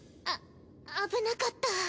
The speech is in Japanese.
あっ危なかった。